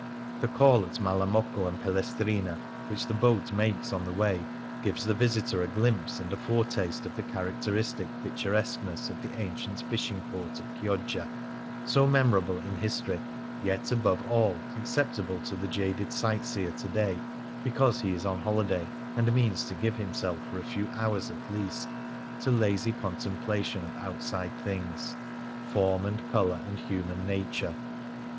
The call at Malamocco and Pelles trina, which the boat makes on the way, gives the visitor a glimpse and a foretaste of the characteristic picturesqueness of the ancient fishing port of Chioggia — so memorable in history, yet above all acceptable to the jaded sightseer to day because he is on holiday, and means to give himself for a few hours at least to lazy contemplation of outside things — form and colour and human nature.